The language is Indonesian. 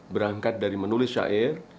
berangkat dari menulis syair